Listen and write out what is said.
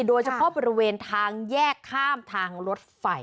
โดยเฉพาะบริเวณทางแยกข้ามทางรถไฟ